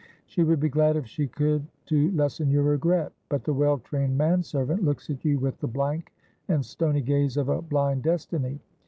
She would be glad if she could to lessen your regret. But the well trained man servant looks at you with the blank and stony gaze of a blind destiny.